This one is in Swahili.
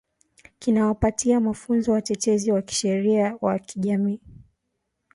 kinawapatia mafunzo watetezi wa kisheria wa kijamii